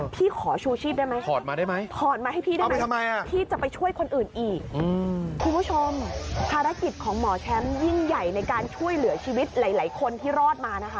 พี่ขอชูชีพได้ไหมถอดมาได้ไหมถอดมาให้พี่ได้ไหมพี่จะไปช่วยคนอื่นอีกคุณผู้ชมภารกิจของหมอแชมป์ยิ่งใหญ่ในการช่วยเหลือชีวิตหลายคนที่รอดมานะคะ